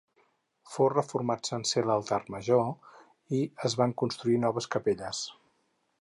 Fou reformat sencer l'altar major i es van construir noves capelles.